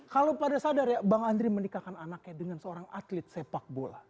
kalau pada sadar ya bang andri menikahkan anaknya dengan seorang atlet sepak bola